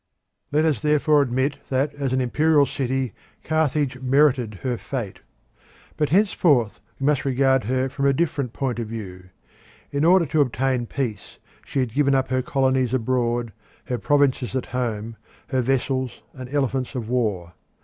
Let us therefore admit that, as an imperial city, Carthage merited her fate. But henceforth we must regard her from a different point of view. In order to obtain peace she had given up her colonies abroad, her provinces at home, her vessels and elephants of war.